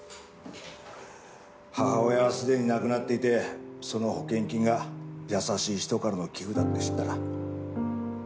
母親はすでに亡くなっていてその保険金が優しい人からの寄付だって知ったら。